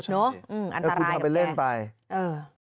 เนอะอันทรายกับแม่เออคุณจะไปเล่นไป